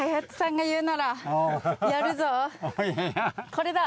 これだ！